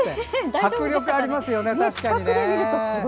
迫力ありますよね、確かに。